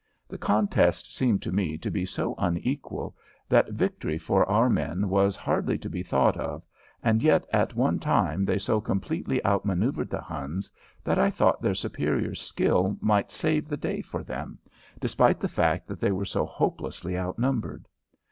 The contest seemed to me to be so unequal that victory for our men was hardly to be thought of, and yet at one time they so completely outmaneuvered the Huns that I thought their superior skill might save the day for them, despite the fact that they were so hopelessly outnumbered.